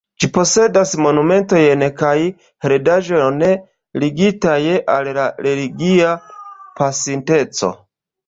Ĝi posedas monumentojn kaj heredaĵon ligitaj al la religia pasinteco.